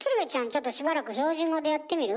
ちょっとしばらく標準語でやってみる？